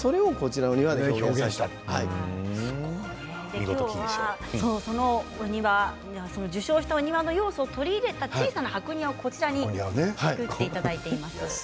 今日は受賞したお庭の要素を取り入れた小さな箱庭をこちらに作っていただいています。